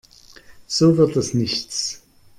So wird das nichts.